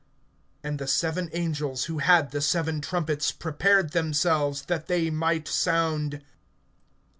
(6)And the seven angels who had the seven trumpets prepared themselves, that they might sound.